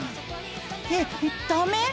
えっダメ？